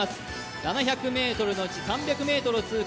７００ｍのうち、３００ｍを通過。